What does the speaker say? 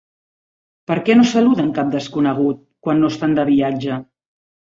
¿Per què no saluden cap desconegut, quan no estan de viatge?